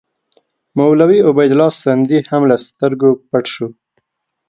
مولوي عبیدالله سندي هم له سترګو پټ شو.